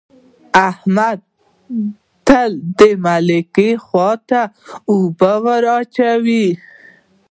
احمد تل د ملک خوټو ته اوبه وراچوي.